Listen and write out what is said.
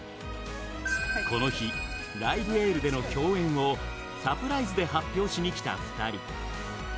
この日「ライブ・エール」での共演をサプライズで発表しにきた２人。